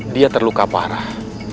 dia terluka parah